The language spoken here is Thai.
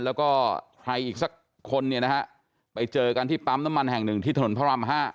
แล้วก็ใครอีกสักคนเนี่ยนะฮะไปเจอกันที่ปั๊มน้ำมันแห่งหนึ่งที่ถนนพระราม๕